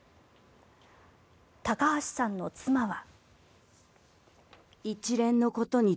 高橋さんの妻は。